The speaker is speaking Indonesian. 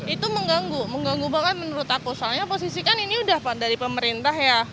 itu mengganggu mengganggu banget menurut aku soalnya posisi kan ini udah pak dari pemerintah ya